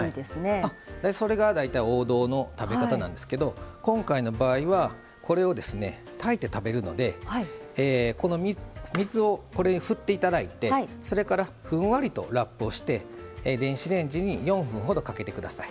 それが大体王道の食べ方なんですけど今回の場合はこれをですね炊いて食べるのでこの水をこれに振っていただいてそれからふんわりとラップをして電子レンジに４分ほどかけてください。